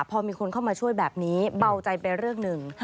พอมีคนเข้ามาช่วยแบบนี้เบาใจไปเรื่องหนึ่ง